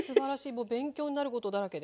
もう勉強になることだらけで。